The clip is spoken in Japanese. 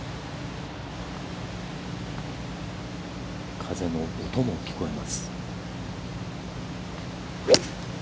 風の音も聞こえます。